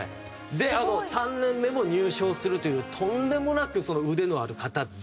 で３年目も入賞するというとんでもなく腕のある方で。